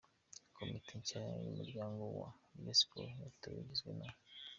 Komite nshya y’umuryango wa Rayon Sports yatowe igizwe na:.